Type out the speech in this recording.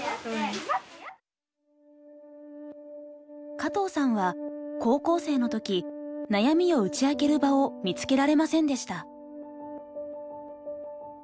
加藤さんは高校生の時悩みを打ち明ける場を見つけられませんでした。